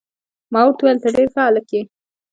ما ورته وویل: ته ډیر ښه هلک يې.